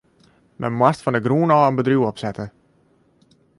Men moast fan de grûn ôf in bedriuw opsette.